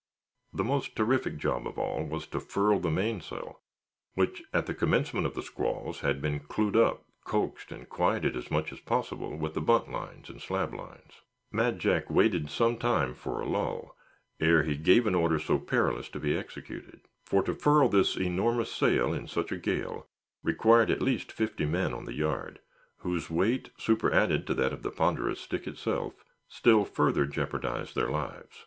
The most terrific job of all was to furl the mainsail, which, at the commencement of the squalls, had been clewed up, coaxed and quieted as much as possible with the bunt lines and slab lines. Mad Jack waited some time for a lull, ere he gave an order so perilous to be executed; for to furl this enormous sail in such a gale, required at least fifty men on the yard, whose weight, superadded to that of the ponderous stick itself, still further jeopardized their lives.